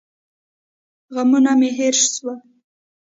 غمونه مې هېر سول.